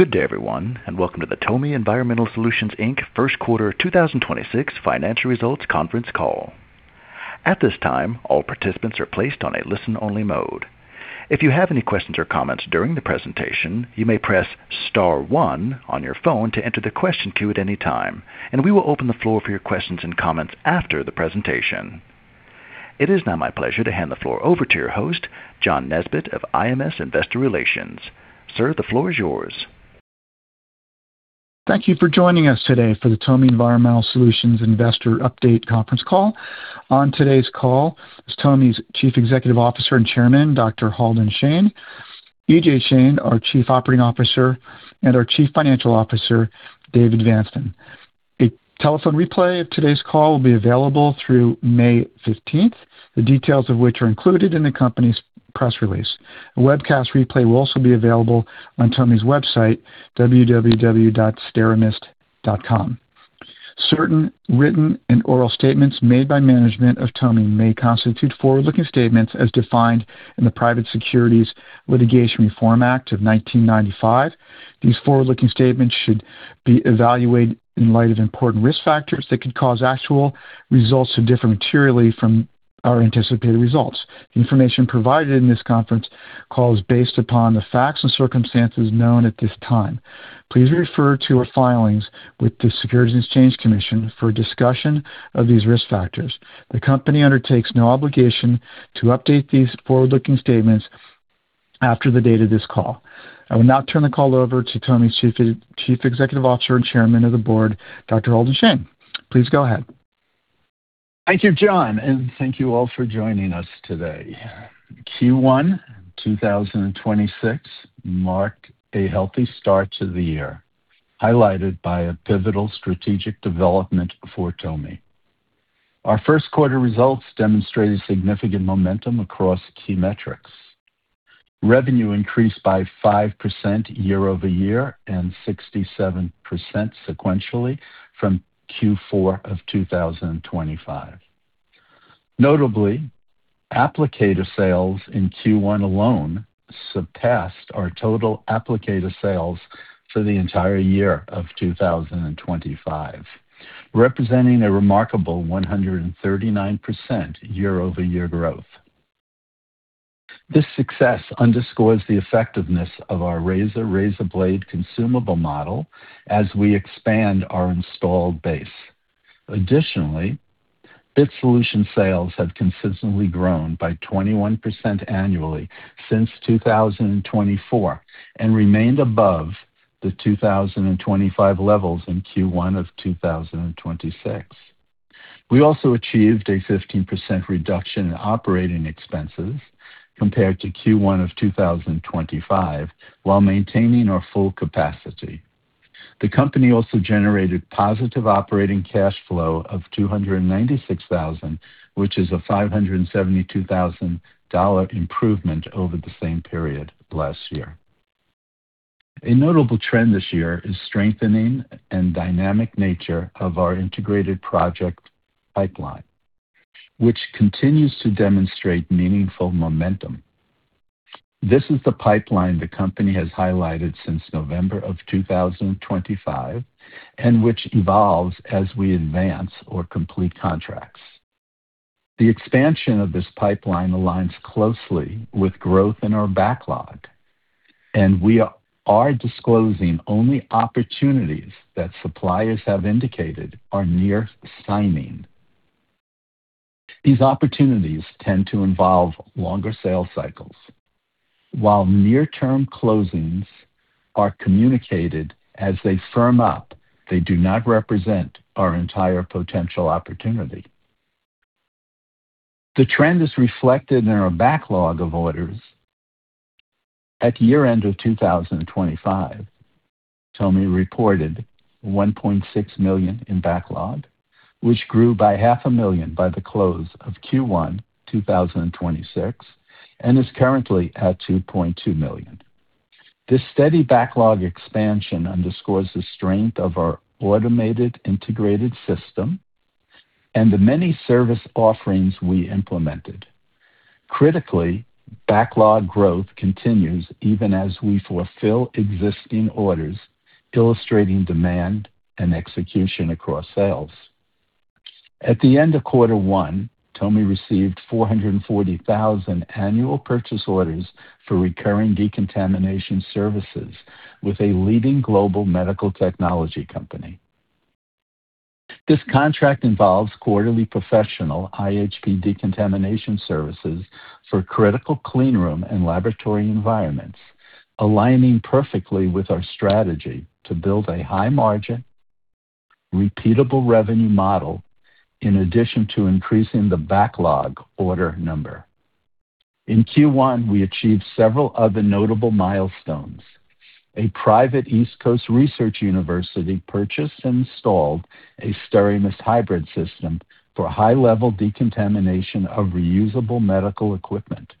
Good day, everyone. Welcome to the TOMI Environmental Solutions, Inc. first quarter 2026 financial results conference call. At this time, all participants are placed on a listen-only mode. If you have any questions or comments during the presentation, you may press star one on your phone to enter the question queue at any time. We will open the floor for your questions and comments after the presentation. It is now my pleasure to hand the floor over to your host, John Nesbett of IMS Investor Relations. Sir, the floor is yours. Thank you for joining us today for the TOMI Environmental Solutions Investor Update conference call. On today's call is TOMI's Chief Executive Officer and Chairman, Dr. Halden Shane, E.J. Shane, our Chief Operating Officer, and our Chief Financial Officer, David Vanston. A telephone replay of today's call will be available through May 15th. The details of which are included in the company's press release. A webcast replay will also be available on TOMI's website, steramist.com. Certain written and oral statements made by management of TOMI may constitute forward-looking statements as defined in the Private Securities Litigation Reform Act of 1995. These forward-looking statements should be evaluated in light of important risk factors that could cause actual results to differ materially from our anticipated results. The information provided in this conference call is based upon the facts and circumstances known at this time. Please refer to our filings with the Securities and Exchange Commission for a discussion of these risk factors. The company undertakes no obligation to update these forward-looking statements after the date of this call. I will now turn the call over to TOMI's Chief Executive Officer and Chairman of the Board, Dr. Halden Shane. Please go ahead. Thank you, John, and thank you all for joining us today. Q1 2026 marked a healthy start to the year, highlighted by a pivotal strategic development for TOMI. Our first quarter results demonstrated significant momentum across key metrics. Revenue increased by 5% year-over-year and 67% sequentially from Q4 of 2025. Notably, applicator sales in Q1 alone surpassed our total applicator sales for the entire year of 2025, representing a remarkable 139% year-over-year growth. This success underscores the effectiveness of our razor blade consumable model as we expand our installed base. Additionally, BIT solution sales have consistently grown by 21% annually since 2024 and remained above the 2025 levels in Q1 of 2026. We also achieved a 15% reduction in operating expenses compared to Q1 of 2025 while maintaining our full capacity. The company also generated positive operating cash flow of $296,000, which is a $572,000 improvement over the same period last year. A notable trend this year is strengthening and dynamic nature of our integrated project pipeline, which continues to demonstrate meaningful momentum. This is the pipeline the company has highlighted since November of 2025 and which evolves as we advance or complete contracts. The expansion of this pipeline aligns closely with growth in our backlog, and we are disclosing only opportunities that suppliers have indicated are near signing. These opportunities tend to involve longer sales cycles. While near-term closings are communicated as they firm up, they do not represent our entire potential opportunity. The trend is reflected in our backlog of orders. At year-end of 2025, TOMI reported $1.6 million in backlog, which grew by $500,000 by the close of Q1 2026 and is currently at $2.2 million. This steady backlog expansion underscores the strength of our automated integrated system and the many service offerings we implemented. Critically, backlog growth continues even as we fulfill existing orders, illustrating demand and execution across sales. At the end of quarter one, TOMI received $440,000 annual purchase orders for recurring decontamination services with a leading global medical technology company. This contract involves quarterly professional iHP decontamination services for critical clean room and laboratory environments, aligning perfectly with our strategy to build a high-margin, repeatable revenue model in addition to increasing the backlog order number. In Q1, we achieved several other notable milestones. A private East Coast research university purchased and installed a SteraMist Hybrid system for high-level decontamination of reusable medical equipment.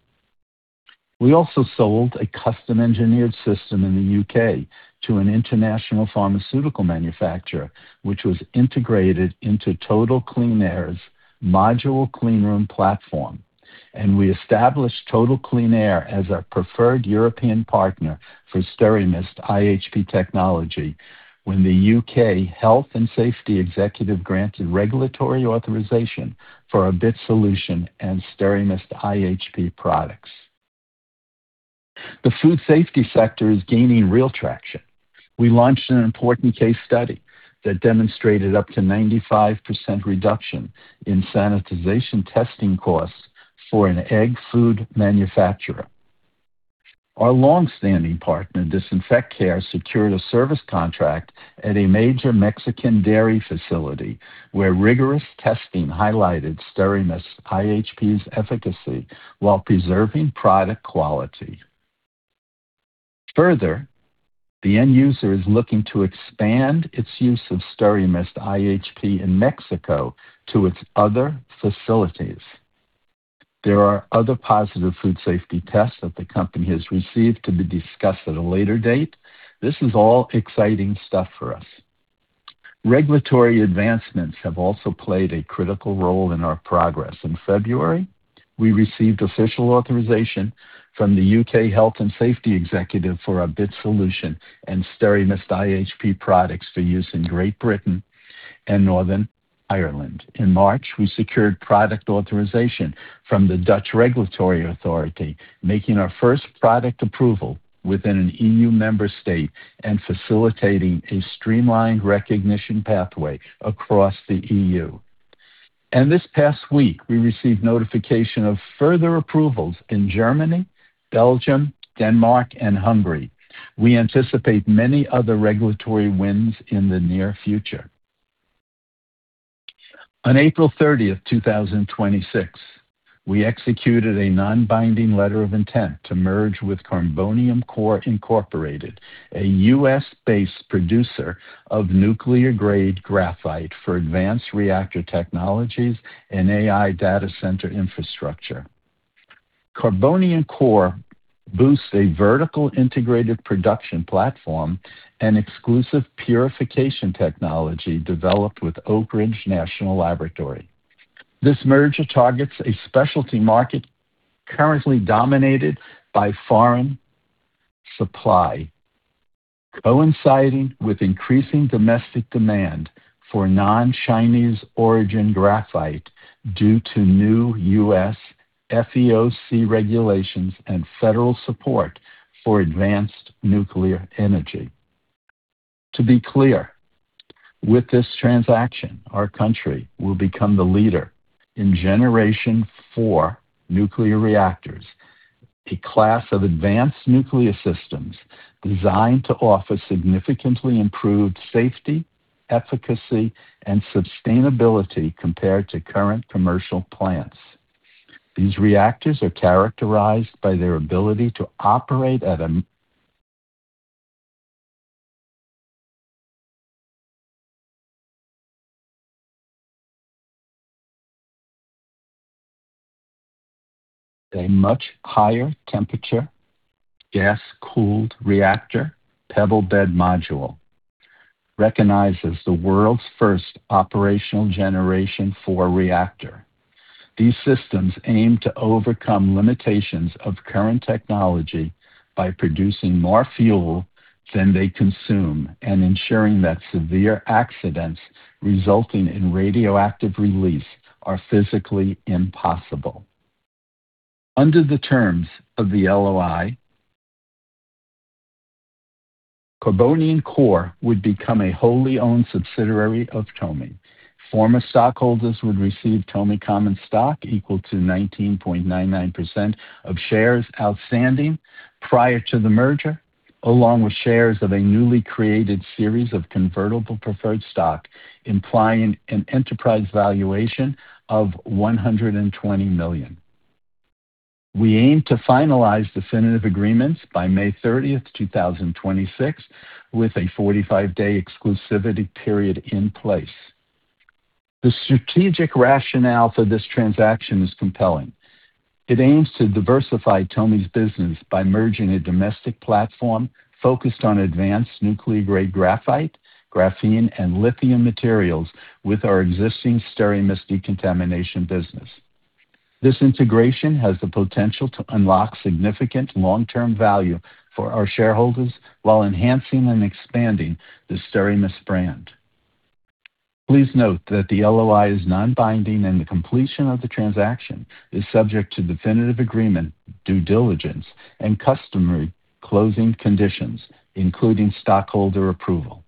We sold a custom-engineered system in the U.K. to an international pharmaceutical manufacturer, which was integrated into Total Clean Air's modular cleanroom platform. We established Total Clean Air as our preferred European partner for SteraMist iHP technology when the U.K. Health and Safety Executive granted regulatory authorization for our BIT solution and SteraMist iHP products. The food safety sector is gaining real traction. We launched an important case study that demonstrated up to 95% reduction in sanitization testing costs for an egg food manufacturer. Our longstanding partner, DisinfectCare, secured a service contract at a major Mexican dairy facility, where rigorous testing highlighted SteraMist iHP's efficacy while preserving product quality. Further, the end user is looking to expand its use of SteraMist iHP in Mexico to its other facilities. There are other positive food safety tests that the company has received to be discussed at a later date. This is all exciting stuff for us. Regulatory advancements have also played a critical role in our progress. In February, we received official authorization from the Health and Safety Executive for our BIT solution and SteraMist iHP products for use in Great Britain and Northern Ireland. In March, we secured product authorization from the Dutch Regulatory Authority, making our first product approval within an EU member state and facilitating a streamlined recognition pathway across the EU. This past week, we received notification of further approvals in Germany, Belgium, Denmark, and Hungary. We anticipate many other regulatory wins in the near future. On April 30th, 2026, we executed a non-binding letter of intent to merge with Carbonium Core Incorporated, a U.S.-based producer of nuclear-grade graphite for advanced reactor technologies and AI data center infrastructure. Carbonium Core boasts a vertical integrated production platform and exclusive purification technology developed with Oak Ridge National Laboratory. This merger targets a specialty market currently dominated by foreign supply, coinciding with increasing domestic demand for non-Chinese origin graphite due to new U.S. FEOC regulations and federal support for advanced nuclear energy. To be clear, with this transaction, our country will become the leader in Generation IV nuclear reactors, a class of advanced systems designed to offer significantly improved safety, efficacy, and sustainability compared to current commercial plants. These reactors are characterized by their ability to operate at a much higher temperature gas-cooled reactor pebble bed module recognized as the world's first operational Generation IV reactor. These systems aim to overcome limitations of current technology by producing more fuel than they consume and ensuring that severe accidents resulting in radioactive release are physically impossible. Under the terms of the LOI, Carbonium Core would become a wholly owned subsidiary of TOMI. Former stockholders would receive TOMI common stock equal to 19.99% of shares outstanding prior to the merger, along with shares of a newly created series of convertible preferred stock, implying an enterprise valuation of $120 million. We aim to finalize definitive agreements by May 30th, 2026, with a 45-day exclusivity period in place. The strategic rationale for this transaction is compelling. It aims to diversify TOMI's business by merging a domestic platform focused on advanced nuclear-grade graphite, graphene, and lithium materials with our existing SteraMist decontamination business. This integration has the potential to unlock significant long-term value for our shareholders while enhancing and expanding the SteraMist brand. Please note that the LOI is non-binding, and the completion of the transaction is subject to definitive agreement, due diligence, and customary closing conditions, including stockholder approval.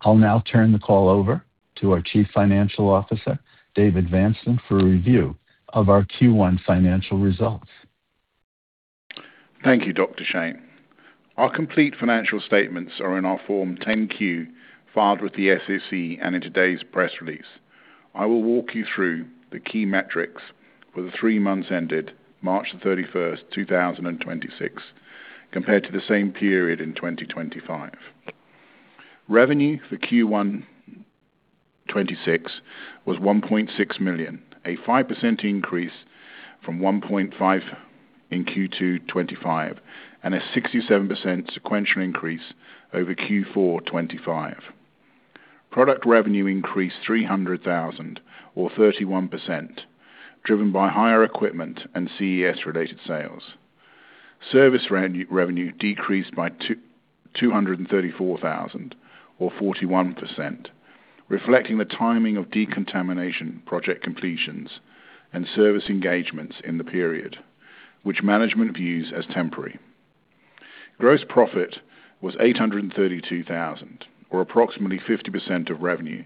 I'll now turn the call over to our Chief Financial Officer, David Vanston, for a review of our Q1 financial results. Thank you, Dr. Shane. Our complete financial statements are in our Form 10-Q filed with the SEC and in today's press release. I will walk you through the key metrics for the three months ended March 31st, 2026, compared to the same period in 2025. Revenue for Q1 2026 was $1.6 million, a 5% increase from $1.5 million in Q2 2025 and a 67% sequential increase over Q4 2025. Product revenue increased $300,000 or 31%, driven by higher equipment and CES related sales. Service revenue decreased by $234,000 or 41%, reflecting the timing of decontamination project completions and service engagements in the period, which management views as temporary. Gross profit was $832,000 or approximately 50% of revenue,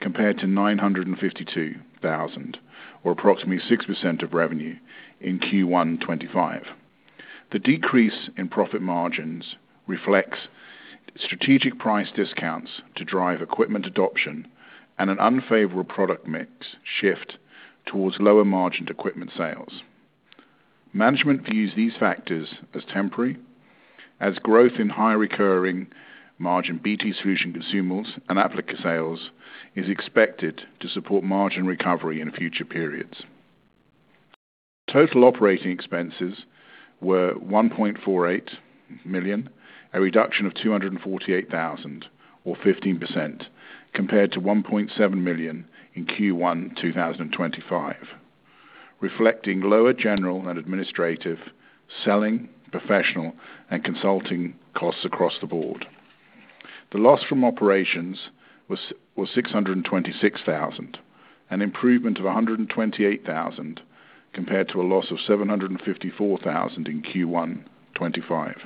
compared to $952,000 or approximately 6% of revenue in Q1 2025. The decrease in profit margins reflects strategic price discounts to drive equipment adoption and an unfavorable product mix shift towards lower margined equipment sales. Management views these factors as temporary as growth in higher recurring margin BIT solution consumables and applicator sales is expected to support margin recovery in future periods. Total operating expenses were $1.48 million, a reduction of $248,000 or 15% compared to $1.7 million in Q1 2025, reflecting lower general and administrative selling professional and consulting costs across the board. The loss from operations was $626,000, an improvement of $128,000 compared to a loss of $754,000 in Q1 2025.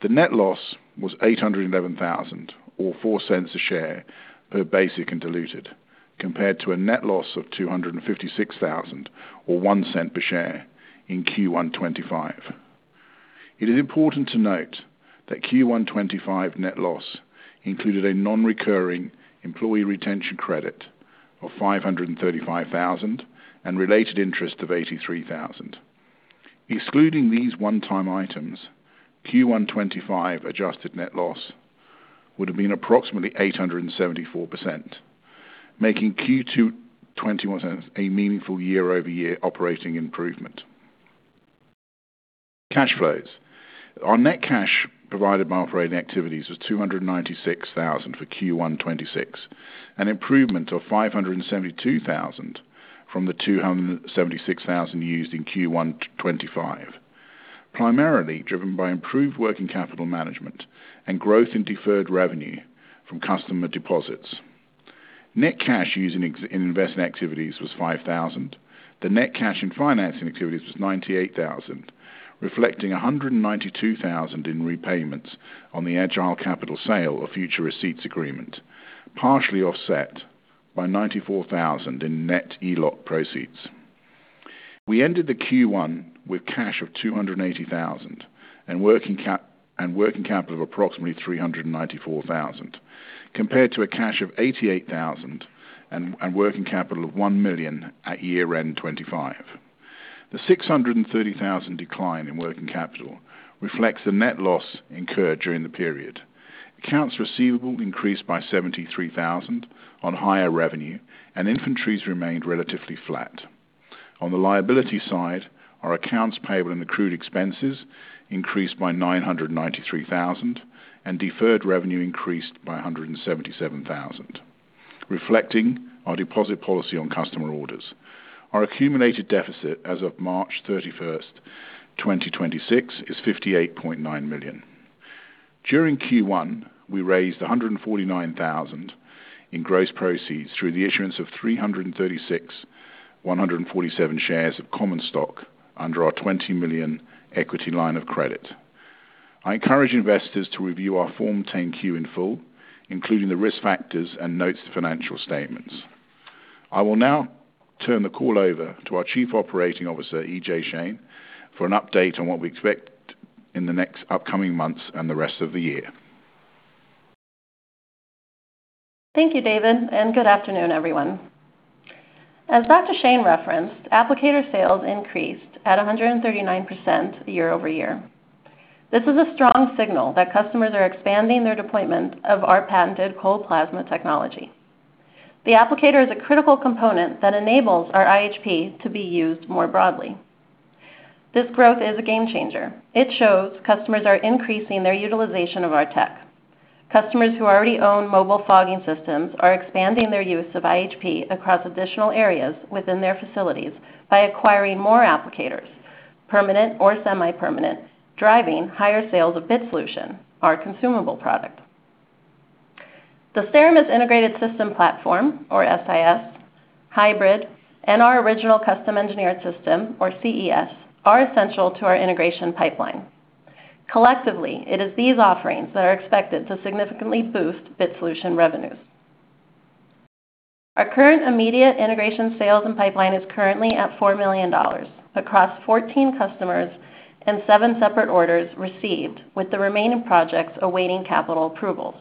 The net loss was $811,000 or $0.04 a share per basic and diluted compared to a net loss of $256,000 or $0.01 per share in Q1 2025. It is important to note that Q1 2025 net loss included a non-recurring Employee Retention Credit of $535,000 and related interest of $83,000. Excluding these one-time items, Q1 2025 adjusted net loss would have been approximately 874%, making Q2 2021 a meaningful year-over-year operating improvement. Cash flows. Our net cash provided by operating activities was $296,000 for Q1 2026, an improvement of $572,000 from the $276,000 used in Q1 2025, primarily driven by improved working capital management and growth in deferred revenue from customer deposits. Net cash used in investing activities was $5,000. The net cash in financing activities was $98,000, reflecting $192,000 in repayments on the Agile Capital Funding sale of future receipts agreement, partially offset by $94,000 in net ELOC proceeds. We ended the Q1 with cash of $280,000 and working capital of approximately $394,000 compared to a cash of $88,000 and working capital of $1 million at year end 2025. The $630,000 decline in working capital reflects the net loss incurred during the period. Accounts receivable increased by $73,000 on higher revenue and inventories remained relatively flat. On the liability side, our accounts payable and accrued expenses increased by $993,000, and deferred revenue increased by $177,000, reflecting our deposit policy on customer orders. Our accumulated deficit as of March 31st, 2026 is $58.9 million. During Q1, we raised $149,000 in gross proceeds through the issuance of 336,147 shares of common stock under our $20 million equity line of credit. I encourage investors to review our Form 10-Q in full, including the risk factors and notes financial statements. I will now turn the call over to our Chief Operating Officer, E.J. Shane, for an update on what we expect in the next upcoming months and the rest of the year. Thank you, David, good afternoon, everyone. As Dr. Shane referenced, applicator sales increased at 139% year-over-year. This is a strong signal that customers are expanding their deployment of our patented cold plasma technology. The applicator is a critical component that enables our iHP to be used more broadly. This growth is a game changer. It shows customers are increasing their utilization of our tech. Customers who already own mobile fogging systems are expanding their use of iHP across additional areas within their facilities by acquiring more applicators, permanent or semi-permanent, driving higher sales of BIT solution, our consumable product. The SteraMist Integrated System platform or SteraMist Hybrid and our original Custom Engineered Systems or CES, are essential to our integration pipeline. Collectively, it is these offerings that are expected to significantly boost BIT solution revenues. Our current immediate integration sales and pipeline is currently at $4 million across 14 customers and seven separate orders received with the remaining projects awaiting capital approvals.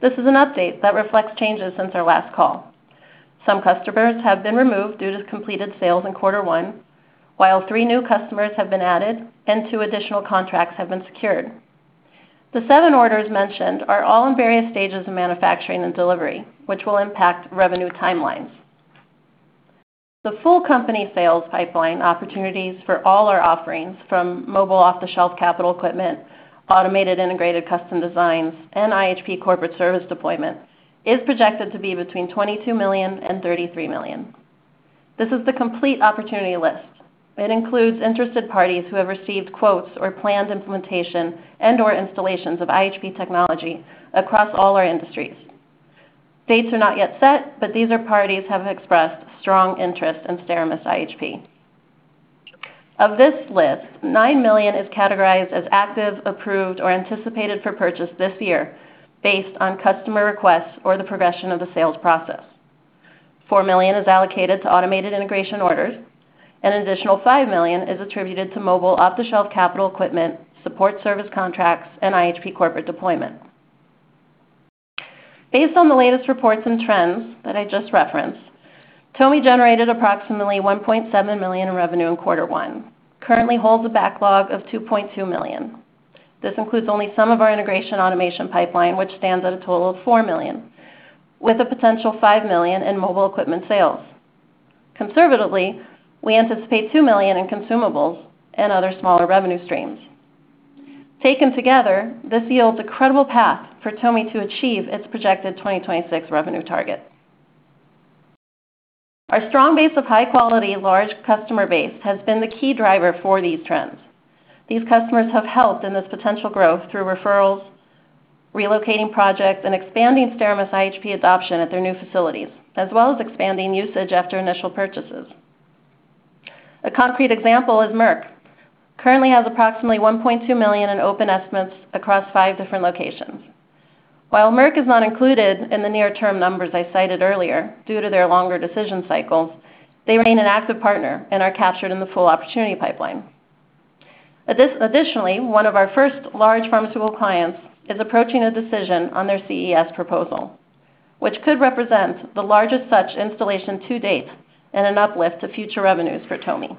This is an update that reflects changes since our last call. Some customers have been removed due to completed sales in quarter one, while three new customers have been added and two additional contracts have been secured. The seven orders mentioned are all in various stages of manufacturing and delivery, which will impact revenue timelines. The full company sales pipeline opportunities for all our offerings from mobile off-the-shelf capital equipment, automated integrated custom designs, and iHP Corporate Service deployments is projected to be between $22 million and $33 million. This is the complete opportunity list. It includes interested parties who have received quotes or planned implementation and/or installations of iHP technology across all our industries. Dates are not yet set, these parties have expressed strong interest in SteraMist iHP. Of this list, $9 million is categorized as active, approved, or anticipated for purchase this year based on customer requests or the progression of the sales process. $4 million is allocated to automated integration orders. An additional $5 million is attributed to mobile off-the-shelf capital equipment, support service contracts, and iHP corporate deployment. Based on the latest reports and trends that I just referenced, TOMI generated approximately $1.7 million in revenue in quarter one, currently holds a backlog of $2.2 million. This includes only some of our integration automation pipeline, which stands at a total of $4 million, with a potential $5 million in mobile equipment sales. Conservatively, we anticipate $2 million in consumables and other smaller revenue streams. Taken together, this yields a credible path for TOMI to achieve its projected 2026 revenue target. Our strong base of high-quality large customer base has been the key driver for these trends. These customers have helped in this potential growth through referrals, relocating projects, and expanding SteraMist iHP adoption at their new facilities, as well as expanding usage after initial purchases. A concrete example is Merck currently has approximately $1.2 million in open estimates across five different locations. While Merck is not included in the near-term numbers I cited earlier due to their longer decision cycles, they remain an active partner and are captured in the full opportunity pipeline. Additionally, one of our first large pharmaceutical clients is approaching a decision on their CES proposal, which could represent the largest such installation to date and an uplift to future revenues for TOMI.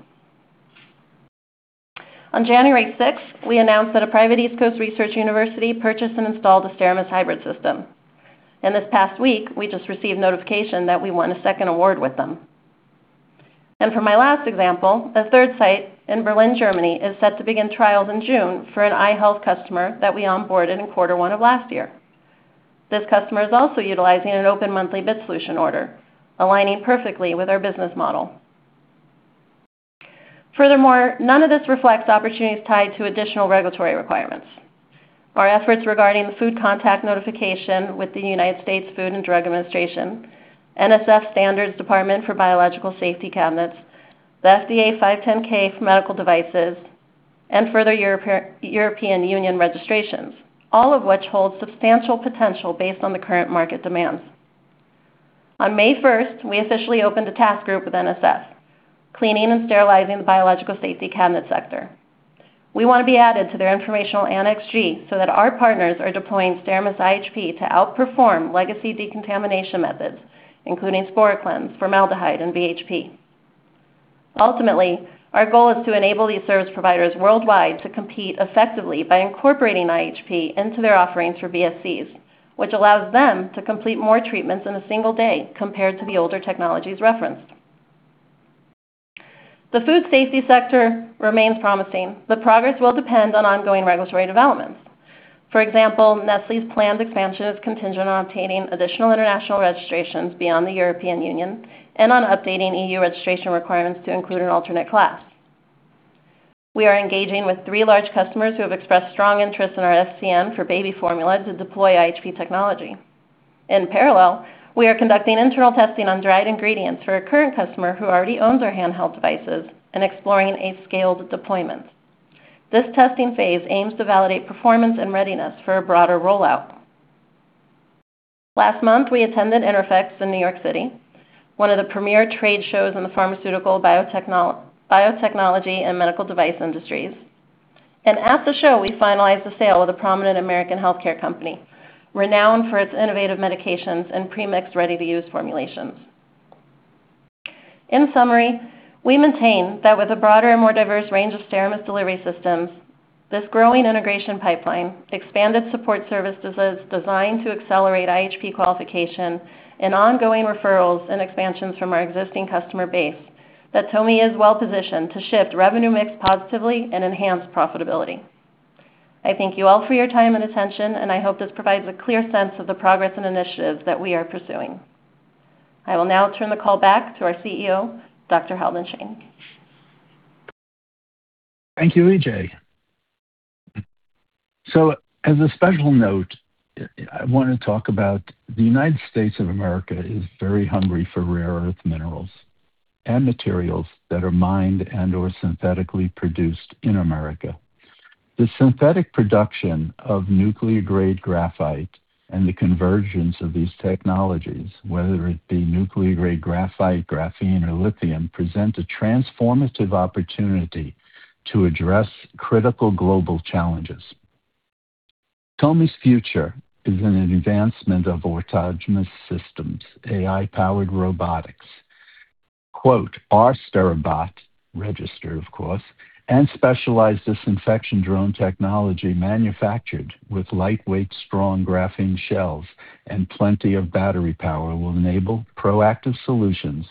On January 6th, we announced that a private East Coast research university purchased and installed a SteraMist Hybrid system. This past week, we just received notification that we won a second award with them. For my last example, a third site in Berlin, Germany is set to begin trials in June for an eye health customer that we onboarded in quarter one of last year. This customer is also utilizing an open monthly BIT solution order, aligning perfectly with our business model. Furthermore, none of this reflects opportunities tied to additional regulatory requirements. Our efforts regarding the Food Contact Notification with the U.S. Food and Drug Administration, NSF Standards Department for Biological Safety Cabinets, the FDA 510(k) for medical devices, and further European Union registrations, all of which hold substantial potential based on the current market demands. On May 1st, we officially opened a task group with NSF, cleaning and sterilizing the Biological Safety Cabinet sector. We wanna be added to their informational Annex G so that our partners are deploying SteraMist iHP to outperform legacy decontamination methods, including sporicides, formaldehyde, and VHP. Ultimately, our goal is to enable these service providers worldwide to compete effectively by incorporating iHP into their offerings for BSCs, which allows them to complete more treatments in a single day compared to the older technologies referenced. The food safety sector remains promising, but progress will depend on ongoing regulatory developments. For example, Nestlé's planned expansion is contingent on obtaining additional international registrations beyond the European Union and on updating EU registration requirements to include an alternate class. We are engaging with three large customers who have expressed strong interest in our SCM for baby formula to deploy iHP technology. In parallel, we are conducting internal testing on dried ingredients for a current customer who already owns our handheld devices and exploring a scaled deployment. This testing phase aims to validate performance and readiness for a broader rollout. Last month, we attended INTERPHEX in New York City, one of the premier trade shows in the pharmaceutical biotechnology and medical device industries. At the show, we finalized the sale with a prominent American healthcare company renowned for its innovative medications and pre-mixed ready-to-use formulations. In summary, we maintain that with a broader and more diverse range of SteraMist delivery systems, this growing integration pipeline, expanded support services designed to accelerate iHP qualification, and ongoing referrals and expansions from our existing customer base, that TOMI is well-positioned to shift revenue mix positively and enhance profitability. I thank you all for your time and attention, and I hope this provides a clear sense of the progress and initiatives that we are pursuing. I will now turn the call back to our CEO, Dr. Halden Shane. Thank you, E.J. As a special note, I wanna talk about the United States of America is very hungry for rare earth minerals and materials that are mined and/or synthetically produced in America. The synthetic production of nuclear-grade graphite and the convergence of these technologies, whether it be nuclear-grade graphite, graphene, or lithium, present a transformative opportunity to address critical global challenges. TOMI's future is in an advancement of autonomous systems, AI-powered robotics. Quote, "Our SteraBot, registered of course, and specialized disinfection drone technology manufactured with lightweight, strong graphene shells and plenty of battery power, will enable proactive solutions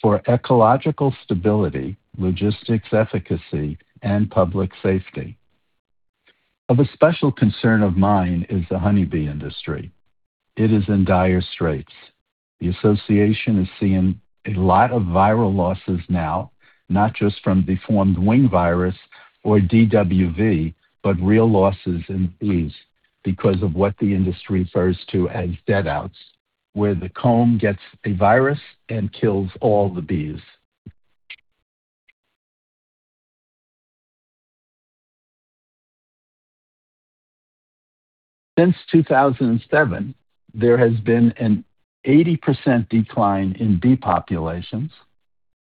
for ecological stability, logistics efficacy, and public safety." Of a special concern of mine is the honeybee industry. It is in dire straits. The association is seeing a lot of viral losses now, not just from Deformed Wing Virus or DWV, but real losses in bees because of what the industry refers to as deadout, where the comb gets a virus and kills all the bees. Since 2007, there has been an 80% decline in bee populations.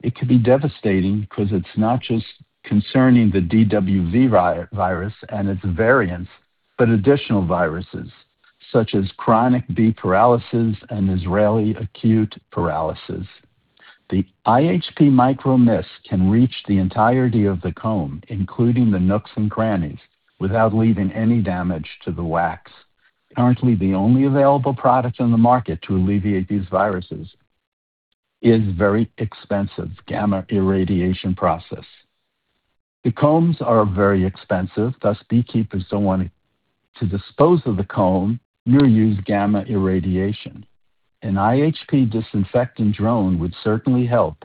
It could be devastating because it is not just concerning the DWV virus and its variants, but additional viruses such as Chronic Bee Paralysis Virus and Israeli Acute Paralysis Virus. The iHP Micromist can reach the entirety of the comb, including the nooks and crannies, without leaving any damage to the wax. Currently, the only available product on the market to alleviate these viruses is very expensive gamma irradiation process. The combs are very expensive, thus beekeepers do not want to dispose of the comb nor use gamma irradiation. An iHP disinfecting drone would certainly help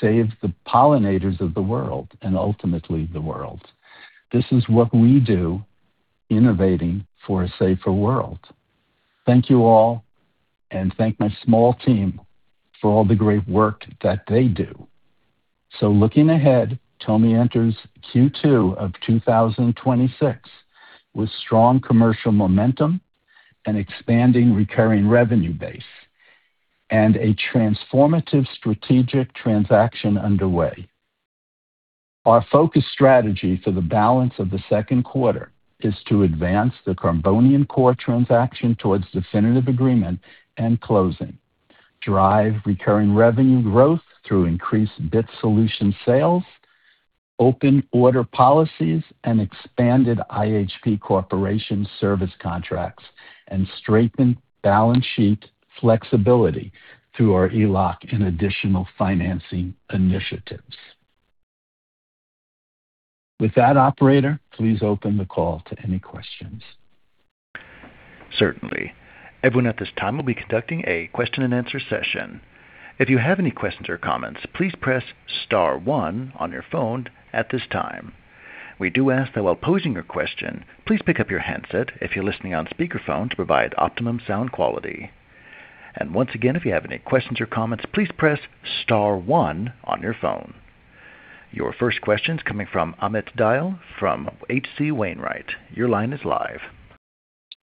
save the pollinators of the world and ultimately the world. This is what we do, innovating for a safer world. Thank you all, and thank my small team for all the great work that they do. Looking ahead, TOMI enters Q2 of 2026 with strong commercial momentum, an expanding recurring revenue base, and a transformative strategic transaction underway. Our focus strategy for the balance of the second quarter is to advance the Carbonium Core transaction towards definitive agreement and closing, drive recurring revenue growth through increased BIT solution sales, open order policies, and expanded iHP Corporate service contracts, and strengthen balance sheet flexibility through our ELOC and additional financing initiatives. With that, operator, please open the call to any questions. Certainly. Everyone at this time we'll be conducting a question-and-answer session. If you have any questions or comments, please press star one on your phone at this time. We do ask that while posing your question, please pick up your headset if you're listening on speakerphone to provide optimum sound quality. And once again, if you have any questions or comments, please press star one on your phone. Your first question's coming from Amit Dayal from H.C. Wainwright. Your line is live.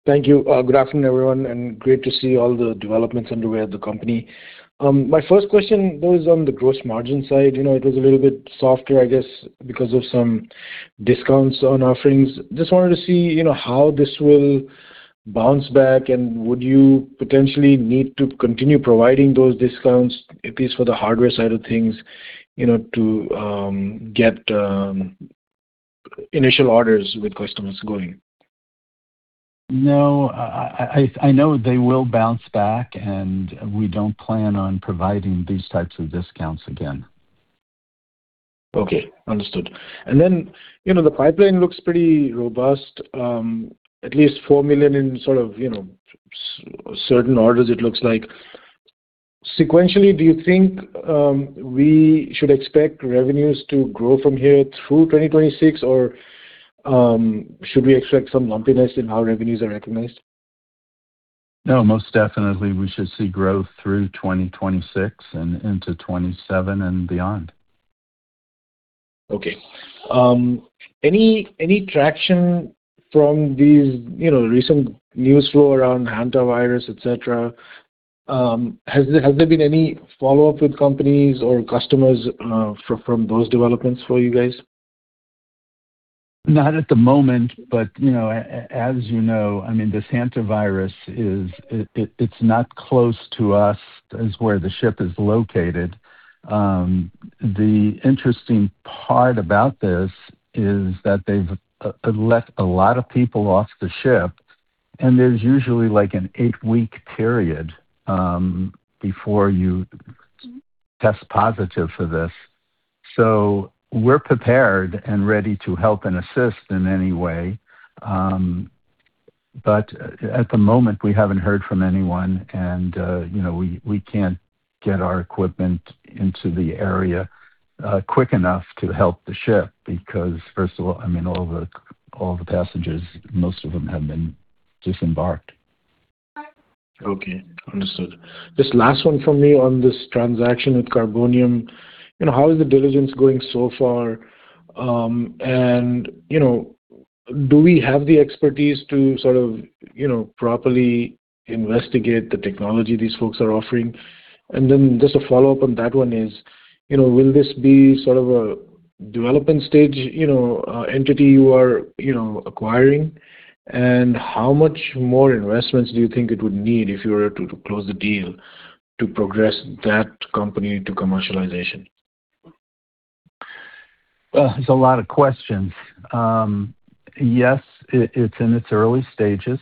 Thank you. Good afternoon, everyone, and great to see all the developments underway at the company. My first question was on the gross margin side. You know, it was a little bit softer, I guess, because of some discounts on offerings. Just wanted to see, you know, how this will bounce back, and would you potentially need to continue providing those discounts, at least for the hardware side of things, you know, to get initial orders with customers going? No, I know they will bounce back, and we don't plan on providing these types of discounts again. Okay. Understood. You know, the pipeline looks pretty robust, at least $4 million in sort of, you know, certain orders it looks like. Sequentially, do you think, we should expect revenues to grow from here through 2026 or, should we expect some lumpiness in how revenues are recognized? No, most definitely we should see growth through 2026 and into 2027 and beyond. Okay. Any traction from these, you know, recent news flow around hantavirus, et cetera? Has there been any follow-up with companies or customers from those developments for you guys? Not at the moment, but, you know, as you know, I mean, this hantavirus is it's not close to us as where the ship is located. The interesting part about this is that they've left a lot of people off the ship, and there's usually, like, an eight-week period before you test positive for this. We're prepared and ready to help and assist in any way. At the moment, we haven't heard from anyone and, you know, we can't get our equipment into the area quick enough to help the ship because first of all, I mean, all the passengers, most of them have been disembarked. Okay. Understood. Just last one from me on this transaction with Carbonium. You know, how is the diligence going so far? You know, do we have the expertise to sort of, you know, properly investigate the technology these folks are offering? Just a follow-up on that one is, you know, will this be sort of a development stage, you know, entity you are, you know, acquiring, and how much more investments do you think it would need if you were to close the deal to progress that company to commercialization? Well, it's a lot of questions. Yes, it's in its early stages.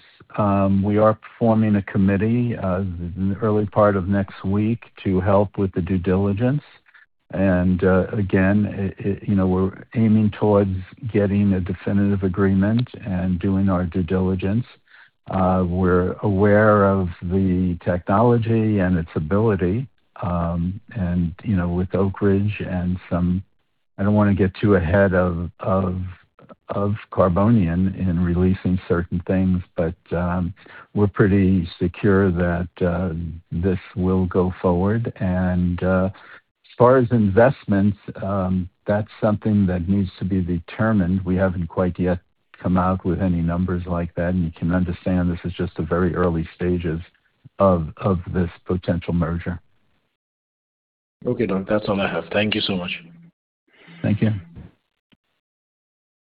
We are forming a committee in the early part of next week to help with the due diligence. Again, you know, we're aiming towards getting a definitive agreement and doing our due diligence. We're aware of the technology and its ability, you know, with Oak Ridge and some I don't wanna get too ahead of, of Carbonium in releasing certain things, but we're pretty secure that this will go forward. As far as investments, that's something that needs to be determined. We haven't quite yet come out with any numbers like that, and you can understand this is just the very early stages of this potential merger. Okay, Doc, that's all I have. Thank you so much. Thank you.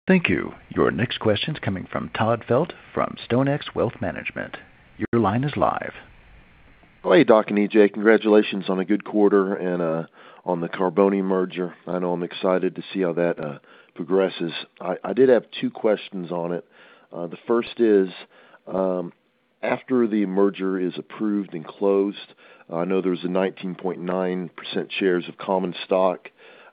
Thank you. Your next question's coming from Todd Feltz from StoneX Wealth Management. Your line is live. Hey, Doc and E.J. Congratulations on a good quarter and on the Carbonium merger. I know I'm excited to see how that progresses. I did have two questions on it. The first is, after the merger is approved and closed, I know there's a 19.9% shares of common stock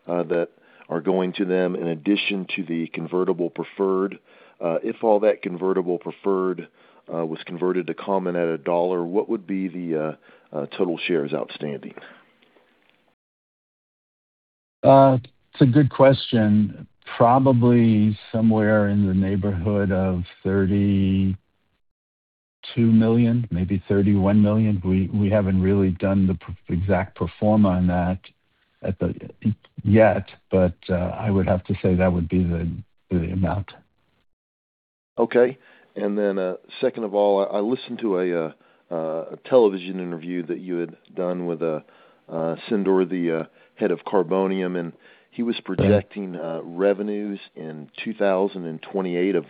that are going to them in addition to the convertible preferred. If all that convertible preferred was converted to common at $1, what would be the total shares outstanding? It's a good question. Probably somewhere in the neighborhood of $32 million, maybe $31 million. We haven't really done the per exact pro forma on that yet, but I would have to say that would be the amount. Okay. Second of all, I listened to a television interview that you had done with Sindor, the head of Carbonium, and he was projecting-. Yeah revenues in 2028 of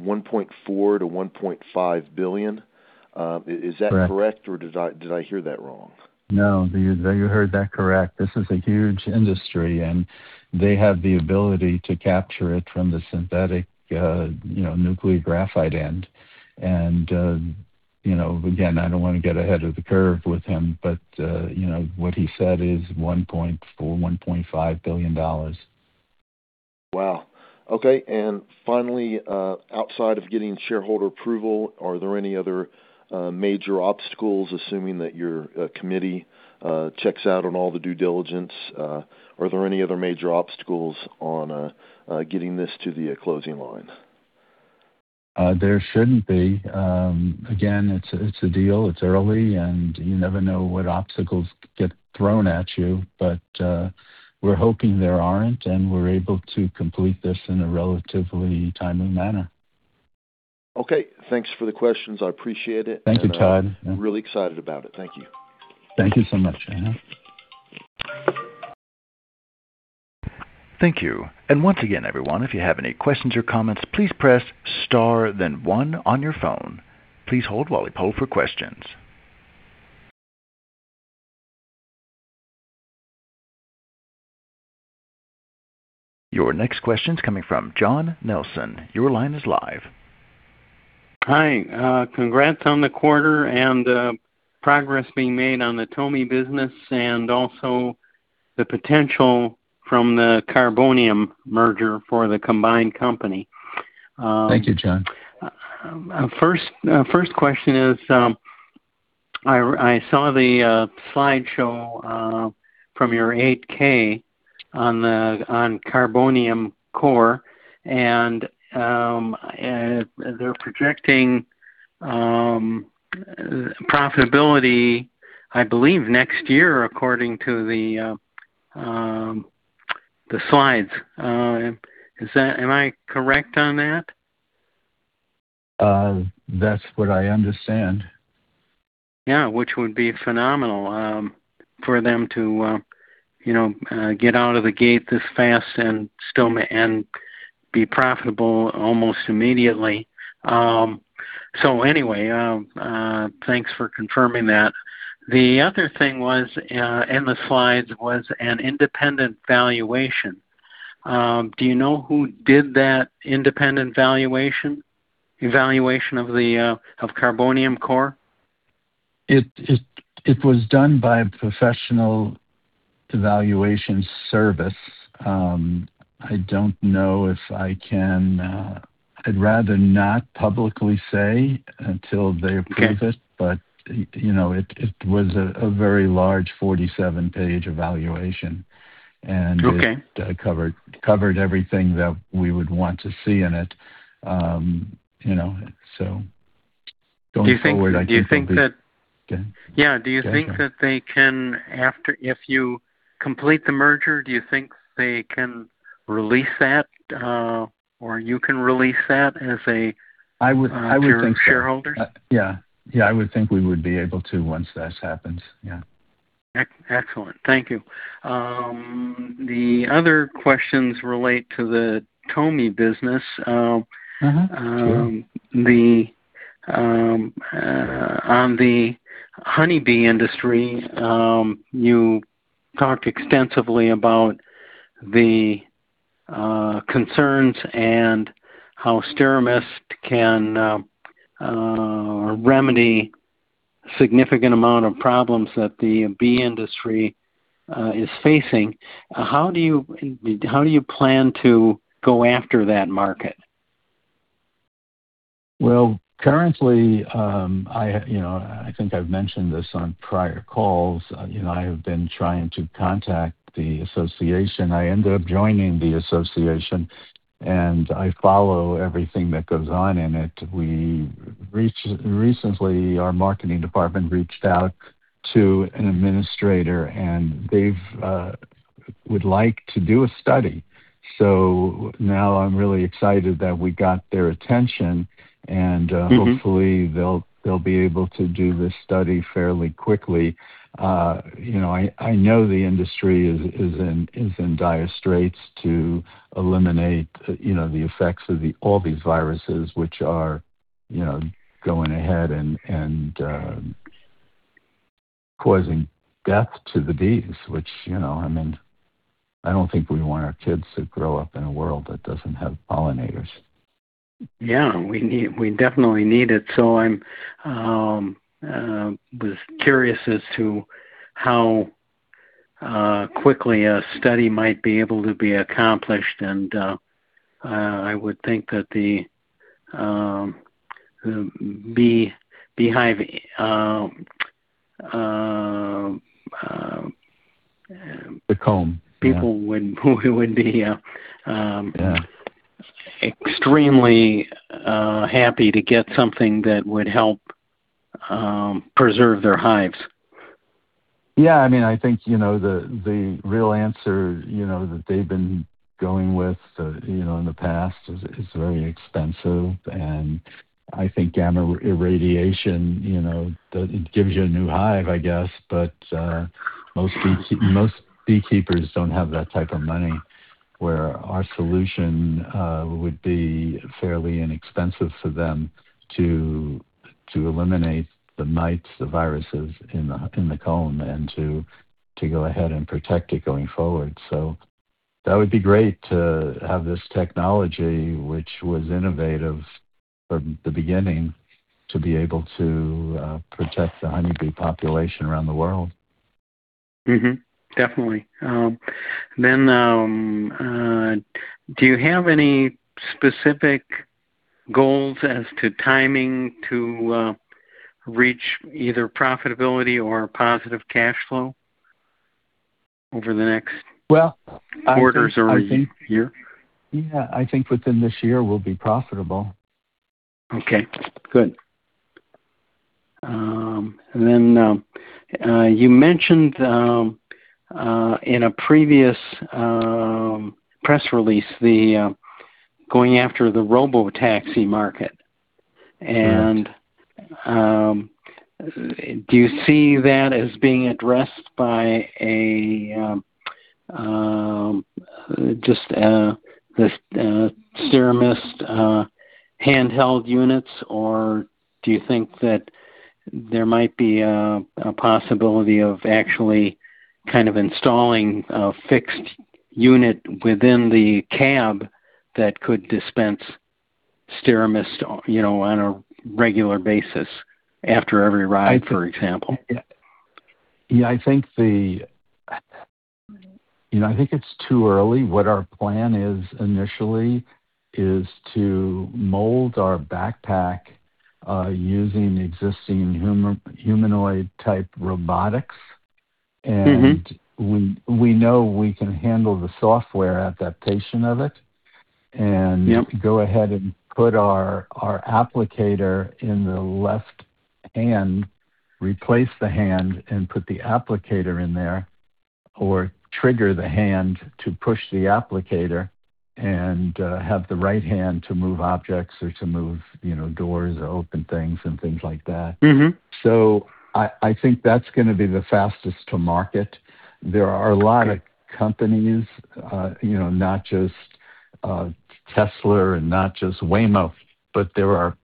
$1.4 billion-$1.5 billion. Is that correct? Right. Did I hear that wrong? No. You heard that correct. This is a huge industry, and they have the ability to capture it from the synthetic, you know, nuclear graphite end. Again, I don't wanna get ahead of the curve with him, but, you know, what he said is $1.4 billion, $1.5 billion. Wow. Okay. Finally, outside of getting shareholder approval, are there any other major obstacles, assuming that your committee checks out on all the due diligence, are there any other major obstacles on getting this to the closing line? There shouldn't be. Again, it's a deal. It's early, and you never know what obstacles get thrown at you. We're hoping there aren't, and we're able to complete this in a relatively timely manner. Okay. Thanks for the questions. I appreciate it. Thank you, Todd. Yeah. Really excited about it. Thank you. Thank you so much. Uh-huh. Thank you. Once again, everyone, if you have any questions or comments, please press star then one on your phone. Please hold while we poll for questions. Your next question is coming from John Nelson. Your line is live. Hi. Congrats on the quarter and progress being made on the TOMI business and also the potential from the Carbonium merger for the combined company. Thank you, John. First, first question is, I saw the slideshow from your 8-K on Carbonium Core, they're projecting profitability, I believe, next year according to the slides. Am I correct on that? That's what I understand. Yeah, which would be phenomenal, for them to, you know, get out of the gate this fast and still and be profitable almost immediately. Anyway, thanks for confirming that. The other thing was, in the slides was an independent valuation. Do you know who did that independent evaluation of the Carbonium Core? It was done by a professional evaluation service. I'd rather not publicly say until they approve it. Okay. You know, it was a very large 47 page evaluation. Okay It covered everything that we would want to see in it. Do you think? Okay. Yeah. Yeah. Do you think that they can, after, if you complete the merger, do you think they can release that, or you can release that? I would think so. To your shareholders? Yeah. Yeah, I would think we would be able to once this happens. Yeah. Excellent. Thank you. The other questions relate to the TOMI business. Mm-hmm. Sure. On the honeybee industry, you talked extensively about the concerns and how SteraMist can remedy significant amount of problems that the bee industry is facing. How do you plan to go after that market? Well, currently, I, you know, I think I've mentioned this on prior calls, you know, I have been trying to contact the association. I ended up joining the association, and I follow everything that goes on in it. Recently, our marketing department reached out to an administrator, and they've would like to do a study. Now I'm really excited that we got their attention. Hopefully they'll be able to do this study fairly quickly. you know, I know the industry is in dire straits to eliminate, you know, the effects of the all these viruses, which are, you know, going ahead and causing death to the bees, which, you know, I mean, I don't think we want our kids to grow up in a world that doesn't have pollinators. Yeah. We definitely need it. I was curious as to how quickly a study might be able to be accomplished. I would think that the beehive. The comb. Yeah People would be. Yeah Extremely happy to get something that would help preserve their hives. I mean, I think, you know, the real answer, you know, that they've been going with, you know, in the past is very expensive. I think gamma irradiation, you know, it gives you a new hive, I guess. Most beekeepers don't have that type of money, where our solution would be fairly inexpensive for them to eliminate the mites, the viruses in the, in the comb and to go ahead and protect it going forward. That would be great to have this technology which was innovative from the beginning to be able to protect the honeybee population around the world. Definitely. Do you have any specific goals as to timing to reach either profitability or positive cash flow over the next- Well, I think- quarters or a year? Yeah. I think within this year we'll be profitable. Okay, good. And then you mentioned in a previous press release the going after the robotaxi market. Right. Do you see that as being addressed by a just the SteraMist handheld units, or do you think that there might be a possibility of actually kind of installing a fixed unit within the cab that could dispense SteraMist, you know, on a regular basis after every ride, for example? Yeah. Yeah, I think, you know, I think it's too early. What our plan is initially is to mold our backpack, using existing humanoid type robotics. We know we can handle the software adaptation of it. Yep go ahead and put our applicator in the left hand, replace the hand and put the applicator in there, or trigger the hand to push the applicator and have the right hand to move objects or to move, you know, doors or open things and things like that. I think that's going to be the fastest to market. There are a lot of companies, you know, not just Tesla and not just Waymo, but here are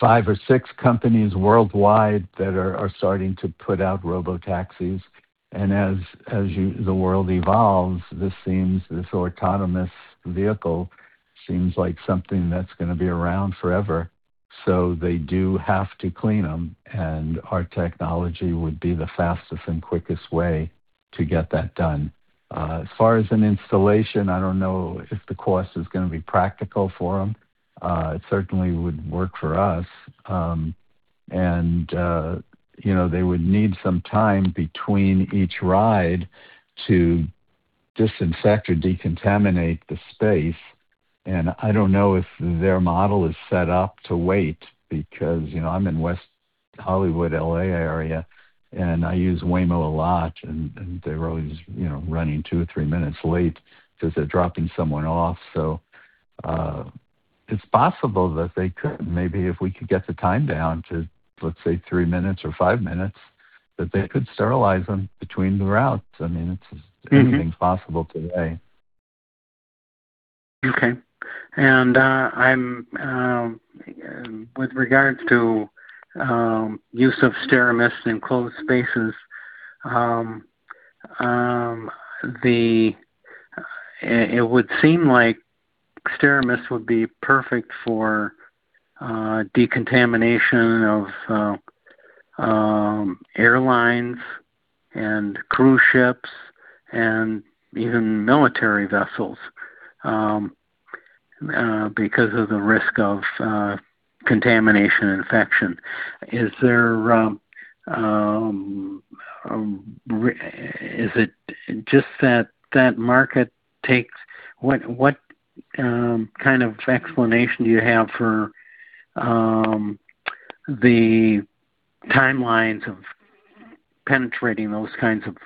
five or six companies worldwide that are starting to put out robotaxis. As the world evolves, this autonomous vehicle seems like something that's going to be around forever. They do have to clean them, and our technology would be the fastest and quickest way to get that done. As far as an installation, I don't know if the cost is going to be practical for them. You know, they would need some time between each ride to disinfect or decontaminate the space. I don't know if their model is set up to wait because, you know, I'm in West Hollywood, L.A. area, and I use Waymo a lot, and they're always, you know, running two or three minutes late because they're dropping someone off. It's possible that they could. Maybe if we could get the time down to, let's say, three minutes or five minutes, that they could sterilize them between the routes. Anything's possible today. Okay. I'm with regards to use of SteraMist in enclosed spaces, it would seem like SteraMist would be perfect for decontamination of airlines and cruise ships and even military vessels, because of the risk of contamination infection. Is it just that that market takes What kind of explanation do you have for the timelines of penetrating those kinds of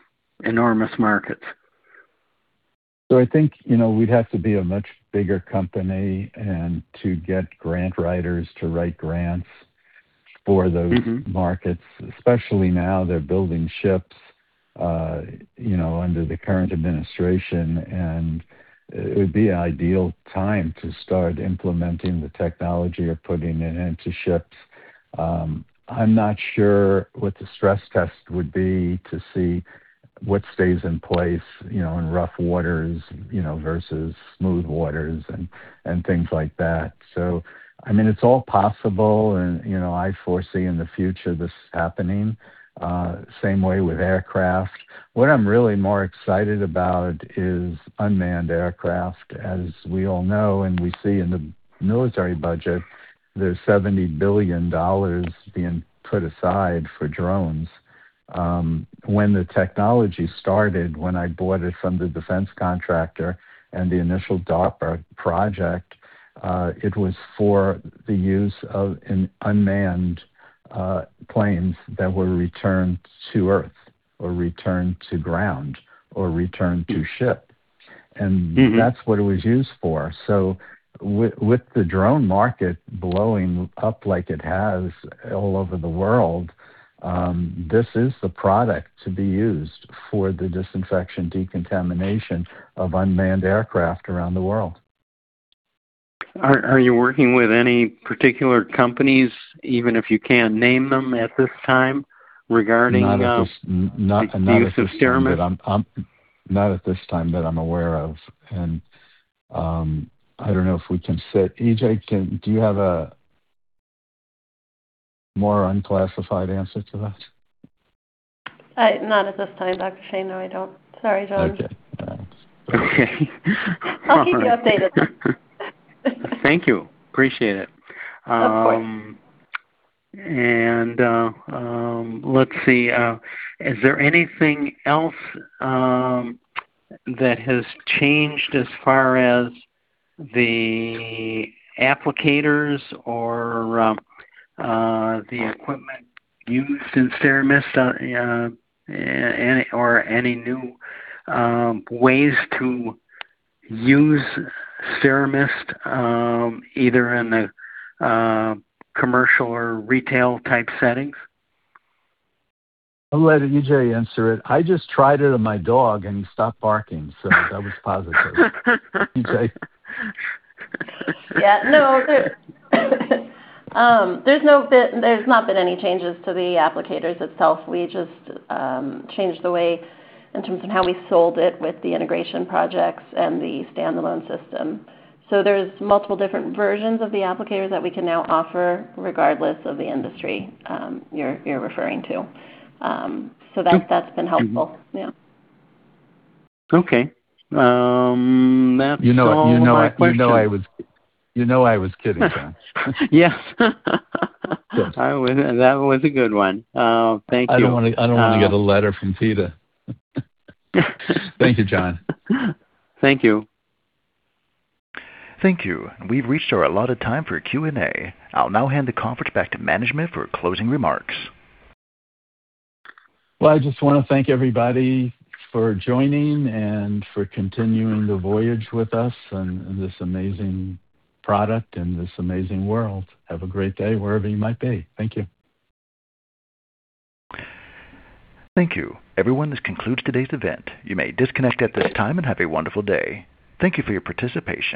enormous markets? I think, you know, we'd have to be a much bigger company and to get grant writers to write grants for those markets, especially now they're building ships, you know, under the current administration. It would be an ideal time to start implementing the technology or putting it into ships. I'm not sure what the stress test would be to see what stays in place, you know, in rough waters, you know, versus smooth waters and things like that. I mean, it's all possible and, you know, I foresee in the future this happening. Same way with aircraft. What I'm really more excited about is unmanned aircraft. As we all know and we see in the military budget, there's $70 billion being put aside for drones. When the technology started, when I bought it from the defense contractor and the initial DARPA project, it was for the use of an unmanned planes that were returned to earth or returned to ground or returned to ship. That's what it was used for. With the drone market blowing up like it has all over the world, this is the product to be used for the disinfection decontamination of unmanned aircraft around the world. Are you working with any particular companies, even if you can't name them at this time, regarding? Not at this time. The use of SteraMist? I'm not at this time that I'm aware of. I don't know if we can say E.J., do you have a more unclassified answer to that? Not at this time, Dr. Shane. No, I don't. Sorry, John. Okay. Thanks. Okay. All right. I'll keep you updated. Thank you. Appreciate it. Of course. Let's see. Is there anything else that has changed as far as the applicators or the equipment used in SteraMist or any new ways to use SteraMist either in the commercial or retail type settings? I'll let E.J. answer it. I just tried it on my dog, and he stopped barking, so that was positive. E.J.? No, there's not been any changes to the applicators itself. We just changed the way in terms of how we sold it with the integration projects and the standalone system. There's multiple different versions of the applicators that we can now offer regardless of the industry you're referring to. That's been helpful. Yeah. Okay. That's all my questions. You know I was kidding, John. Yes. Yes. That was a good one. Thank you. I don't wanna get a letter from PETA. Thank you, John. Thank you. Thank you. We've reached our allotted time for Q&A. I'll now hand the conference back to management for closing remarks. I just wanna thank everybody for joining and for continuing the voyage with us and in this amazing product and this amazing world. Have a great day wherever you might be. Thank you. Thank you. Everyone, this concludes today's event. You may disconnect at this time, and have a wonderful day. Thank you for your participation.